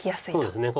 そうですね